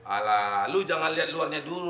ala lu jangan liat luarnya dulu rom